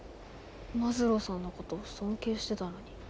マズローさんのこと尊敬してたのに。